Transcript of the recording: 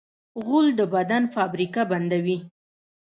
غول د بدن فابریکه بندوي.